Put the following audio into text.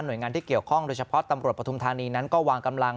หน่วยงานที่เกี่ยวข้องโดยเฉพาะตำรวจประธุมธานีนั้นก็วาง